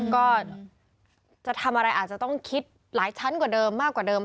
ก็จะทำอะไรอาจจะต้องคิดหลายชั้นกว่าเดิมมากกว่าเดิม